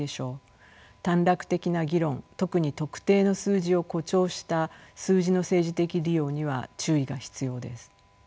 短絡的な議論特に特定の数字を誇張した数字の政治的利用には注意が必要です。